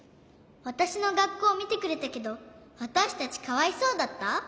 わたしのがっこうみてくれたけどわたしたちかわいそうだった？